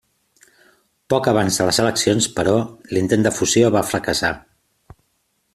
Poc abans de les eleccions, però, l'intent de fusió va fracassar.